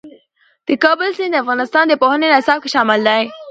د کابل سیند د افغانستان د پوهنې نصاب کې شامل دی.